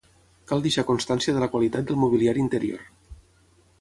Cal deixar constància de la qualitat del mobiliari interior.